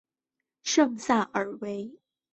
圣萨尔维。